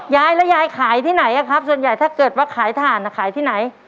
ยายแล้วยายขายที่ไหนครับส่วนใหญ่ถ้าเกิดว่าขายถ่านขายที่ไหน